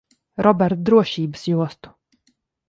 Robert, drošības jostu.